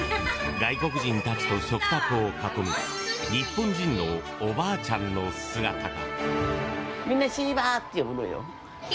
外国人たちと食卓を囲む日本人のおばあちゃんの姿が。